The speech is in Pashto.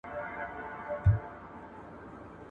د تهذيب او سړيتوب د زدکړي لپاره ورتلل